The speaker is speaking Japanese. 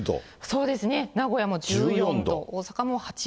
そうですね、名古屋も１４度、大阪も１８度。